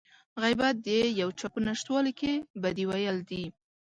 غيبت د يو چا په نشتوالي کې بدي ويل دي.